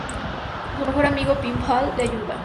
Su mejor amigo, "Pinball", le ayuda.